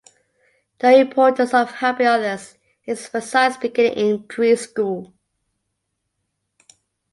The importance of helping others is emphasized beginning in Preschool.